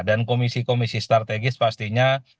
dan komisi komisi strategis pastinya